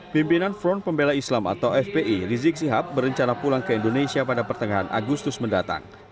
pimpinan front pembela islam atau fpi rizik sihab berencana pulang ke indonesia pada pertengahan agustus mendatang